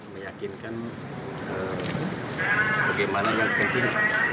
meyakinkan bagaimana yang penting